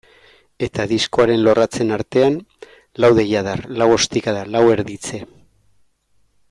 Eta diskoaren lorratzen artean lau deiadar, lau ostikada, lau erditze.